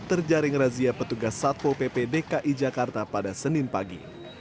terjaring razia petugas satpo pp dki jakarta pada senin pagi